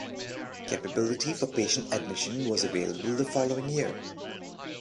Capability for patient admission was available the following year.